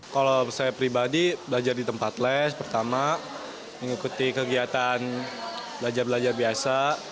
kalau saya pribadi belajar di tempat les pertama mengikuti kegiatan belajar belajar biasa